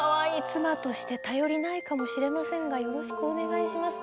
「妻として頼りないかもしれませんがよろしくお願いします」だって。